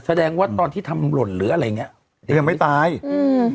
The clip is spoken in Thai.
แสดงว่าตอนที่ทำหล่นหรืออะไรอย่างเงี้ยยังไม่ตายอืม